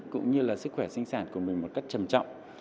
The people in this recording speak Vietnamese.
cũng như là sức khỏe sinh sản của mình một cách trầm trọng